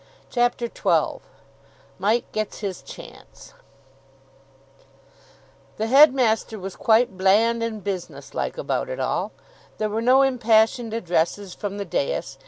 CHAPTER XII MIKE GETS HIS CHANCE The headmaster was quite bland and business like about it all. There were no impassioned addresses from the dais.